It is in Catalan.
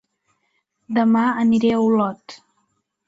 Dema aniré a Olot